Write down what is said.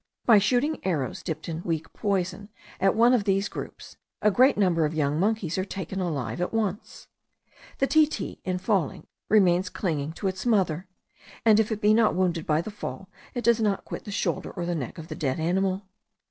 By shooting arrows dipped in weak poison at one of these groups, a great number of young monkeys are taken alive at once. The titi in falling remains clinging to its mother, and if it be not wounded by the fall, it does not quit the shoulder or the neck of the dead animal.